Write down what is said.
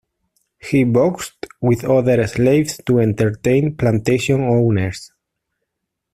He boxed with other slaves to entertain plantation owners.